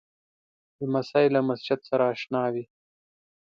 لمسی له مسجد سره اشنا وي.